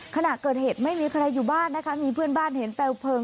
ขณะเกิดเหตุไม่มีใครอยู่บ้านนะคะมีเพื่อนบ้านเห็นเปลวเพลิง